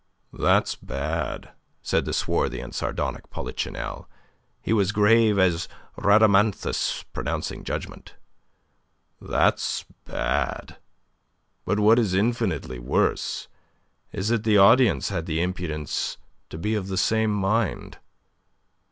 "That's bad," said the swarthy and sardonic Polichinelle. He was grave as Rhadamanthus pronouncing judgment. "That's bad. But what is infinitely worse is that the audience had the impudence to be of the same mind."